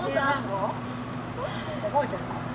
覚えてるかな。